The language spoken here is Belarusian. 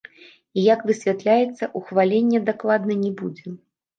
І, як высвятляецца, ухвалення дакладна не будзе.